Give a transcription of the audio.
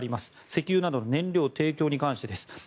石油などの燃料提供に関してです。